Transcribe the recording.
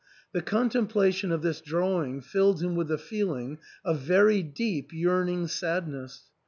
The contem plation of this drawing filled him with a feeling of very deep yearning sadness.